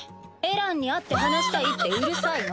エランに会って話したいってうるさいの。